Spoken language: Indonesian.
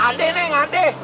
ada neng ada